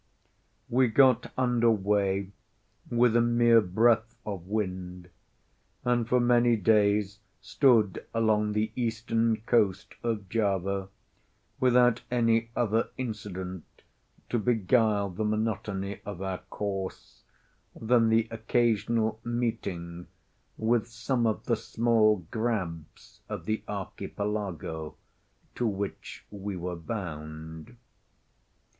We got under way with a mere breath of wind, and for many days stood along the eastern coast of Java, without any other incident to beguile the monotony of our course than the occasional meeting with some of the small grabs of the Archipelago to which we were bound.